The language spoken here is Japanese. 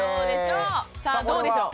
さあどうでしょう？